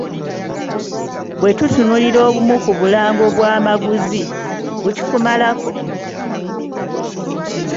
Bwe tutunuulira obumu ku bulango obwamaguzi, bukikumalako!